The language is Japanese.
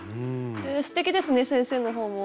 すてきですね先生の方も。